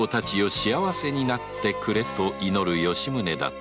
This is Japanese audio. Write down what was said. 幸せになってくれと祈る吉宗だった